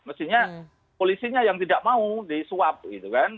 mestinya polisinya yang tidak mau disuap gitu kan